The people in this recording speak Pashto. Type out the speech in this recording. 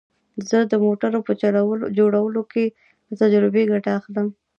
زه د موټرو په جوړولو کې له تجربې ګټه اخلم